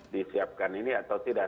disiapkan ini atau tidak